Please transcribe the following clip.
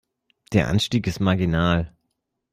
Der Anstieg ist marginal.